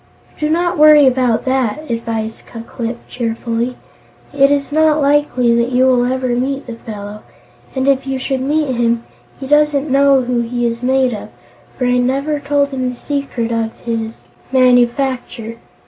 "Don't worry about that," advised Ku Klip cheerfully; "it is not likely that you will ever meet the fellow. And, if you should meet him, he doesn't know who he is made of, for I never told him the secret of his manufacture.